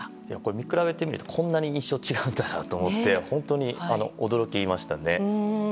見比べてみるとこんなに印象が違うんだなと思って本当に驚きましたね。